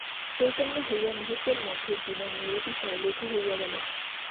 চৈতন্য হইয়া মুহূর্তের মধ্যে জীবন নিরতিশয় লঘু হইয়া গেল।